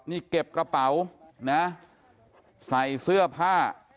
นี่เก็บกระเป๋านะใส่เสื้อผ้า